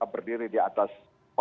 berdiri di atas